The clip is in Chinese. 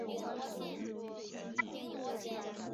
现在手边钱多了